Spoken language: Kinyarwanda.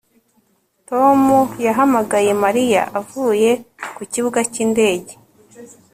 Tom yahamagaye Mariya avuye ku kibuga cyindege